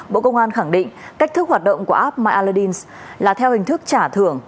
bộ công an khẳng định cách thức hoạt động của app miladine là theo hình thức trả thưởng